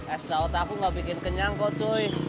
es daot aku gak bikin kenyang kok cuy